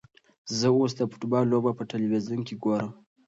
زه اوس د فوټبال لوبه په تلویزیون کې ګورم.